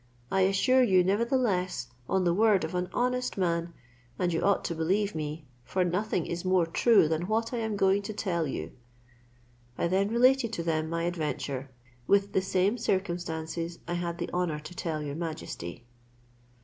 I assure you nevertheless, on the word of an honest man, and you ought to believe me, for nothing is more true than what I am going to tell you." I then related to them my adventure, with the same circumstances I had the honour to tell your majesty.